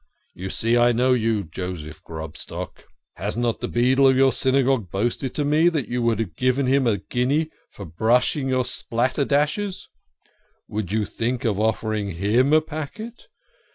You see I know you, Joseph Grobstock. Has not the beadle of your Synagogue boasted to me that you have given him a guinea for brushing your spatterdashes ? Would you think of offering him a packet?